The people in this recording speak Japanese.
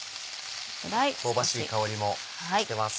香ばしい香りもしてます。